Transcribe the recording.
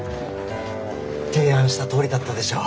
提案したとおりだったでしょ。